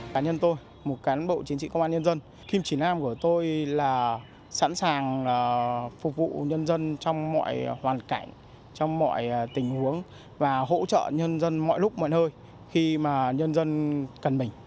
cá nhân tôi một cán bộ chiến sĩ công an nhân dân kim chỉ nam của tôi là sẵn sàng phục vụ nhân dân trong mọi hoàn cảnh trong mọi tình huống và hỗ trợ nhân dân mọi lúc mọi nơi khi mà nhân dân cần mình